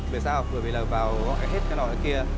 tại sao bởi vì là vào gọi hết cái nọ cái kia